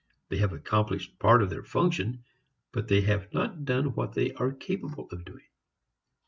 They have accomplished part of their function but they have not done what they are capable of doing.